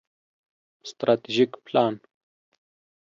ستراتیژیک پلان